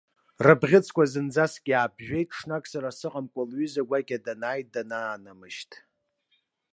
Рыбӷьыцқәа зынӡаск иааԥжәеит, ҽнак, сара сыҟамкәа, лҩыза гәакьа данааи данаанамышьҭ.